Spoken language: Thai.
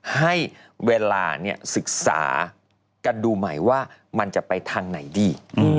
ให้เวลาศึกษากันดูใหม่ว่ามันจะไปทางไหนดี